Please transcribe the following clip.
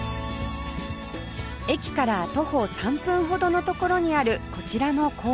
駅から徒歩３分ほどの所にあるこちらの公園